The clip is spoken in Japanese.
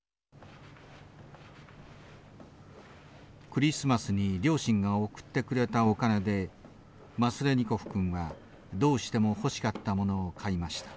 クリスマスに両親が贈ってくれたお金でマスレニコフ君はどうしても欲しかったものを買いました。